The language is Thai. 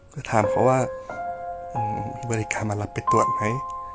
ก็ถามเขาว่าองค์บริการมารับไปตรวจไหม